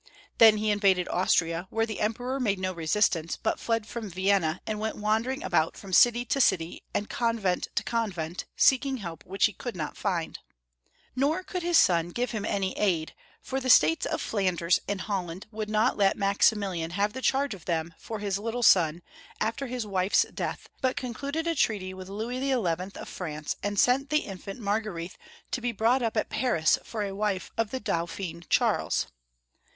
Then he invaded Austria, where the Emperor made no resistance, but fled from Vienna and went wandering about from city to city a»nd convent to convent, seeking help which he could ^not find. Nor could his son give him any aid, for the States of Flanders and Holland would not let Max imilian have the charge of them for his little son after his wife's death but concluded a treaty with Louis XI. of France, and sent the infant Marga rethe to be brought up at Paris for a wife for the Dauphin Charles.